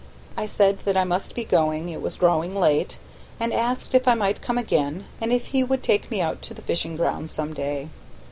I said that I must be going, it was growing late, and asked if I might come again, and if he would take me out to the fishing grounds someday.